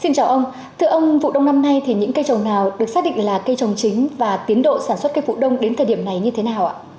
xin chào ông thưa ông vụ đông năm nay thì những cây trồng nào được xác định là cây trồng chính và tiến độ sản xuất cây vụ đông đến thời điểm này như thế nào ạ